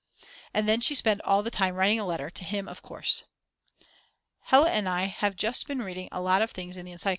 And then she spent all the time writing a letter, to him of course ! Hella and I have just been reading a lot of things in the encycl.